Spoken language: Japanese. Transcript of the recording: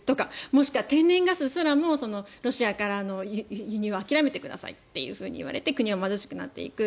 もしくは天然ガスすらもロシアからの輸入は諦めてくださいって言われて国は貧しくなっていく。